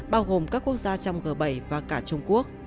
bao gồm các quốc gia trong g bảy và cả trung quốc